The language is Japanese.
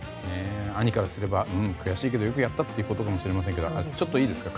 兄からすればうん、悔しいけどよくやったということかもしれませんけどちょっといいですか。